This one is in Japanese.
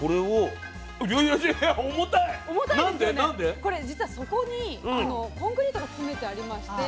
これ実は底にコンクリートが詰めてありまして。